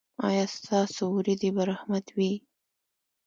ایا ستاسو ورېځې به رحمت وي؟